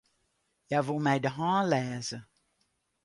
Hja woe my de hân lêze.